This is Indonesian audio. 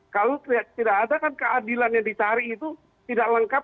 kalau tidak ada kan keadilan yang dicari itu tidak lengkap